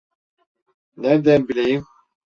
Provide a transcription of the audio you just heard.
Nerden bileyim?